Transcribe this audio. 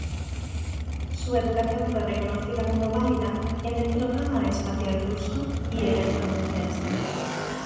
Su educación fue reconocida como válida en el programa espacial ruso y el estadounidense.